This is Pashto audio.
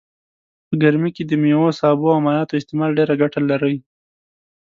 په ګرمي کي دميوو سابو او مايعاتو استعمال ډيره ګټه لرئ